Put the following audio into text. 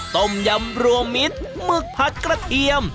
ต้มยำรวมมิตรหมึกผัดกระเทียม